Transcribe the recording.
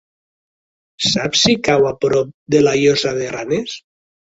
Saps si cau a prop de la Llosa de Ranes?